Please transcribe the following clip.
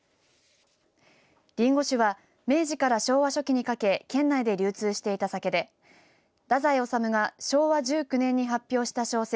りんご酒は明治から昭和初期にかけ県内で流通していた酒で太宰治が昭和１９年に発表した小説